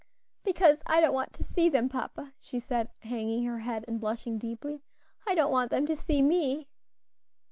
"Because I don't want to see them, papa," she said, hanging her head and blushing deeply; "I don't want them to see me."